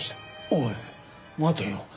おい待てよ。